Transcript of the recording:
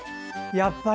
やっぱり。